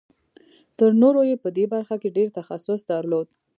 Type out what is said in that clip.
تر نورو یې په دې برخه کې ډېر تخصص درلود